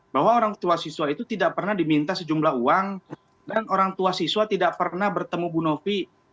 bahwa orang tua siswa itu tidak pernah diminta sejumlah uang dan orang tua siswa tidak pernah bertemu bu novi